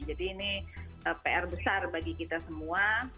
jadi ini pr besar bagi kita semua